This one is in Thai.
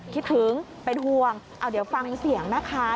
คิดถึงเป็นห่วงเอาเดี๋ยวฟังเสียงนะคะ